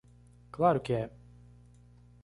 Claro que é.